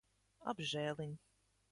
Apžēliņ.